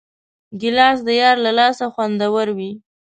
ګیلاس د یار له لاسه خوندور وي.